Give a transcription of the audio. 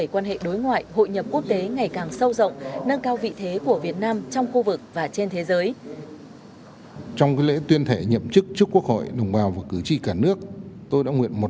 quan hệ đối ngoại hội nhập quốc tế ngày càng sâu rộng nâng cao vị thế của việt nam trong khu vực và trên thế giới